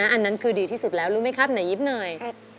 อันนั้นคือดีที่สุดแล้วรู้ไหมครับไหนยิ้มหน่อย